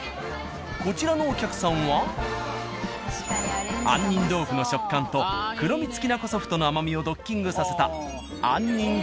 こちらのお客さんは杏仁豆腐の食感と黒蜜きなこソフトの甘みをドッキングさせた。